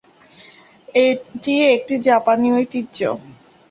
এটি একটি জাপানী ঐতিহ্য।